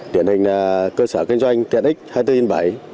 điển hình là cơ sở kinh doanh tiện ích hai mươi bốn trên bảy